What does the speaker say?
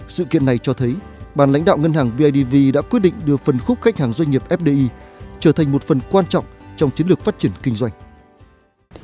sự kiện này cho thấy bàn lãnh đạo ngân hàng bidv đã quyết định đưa phần khúc khách hàng doanh nghiệp fdi trở thành một phần quan trọng trong chiến lược phát triển kinh doanh